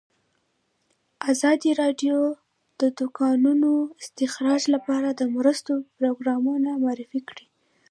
ازادي راډیو د د کانونو استخراج لپاره د مرستو پروګرامونه معرفي کړي.